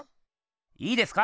いいですか？